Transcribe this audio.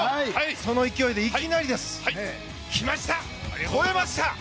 その勢いでいきなり来ました、超えました！